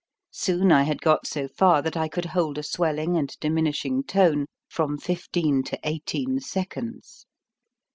Soon I had got so far that I could hold a swelling and diminishing tone from fifteen to eighteen seconds.